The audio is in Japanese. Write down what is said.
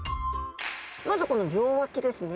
まずこの両脇ですね。